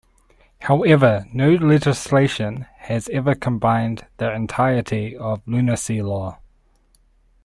However, no legislation has ever combined the entirety of Lunacy Law.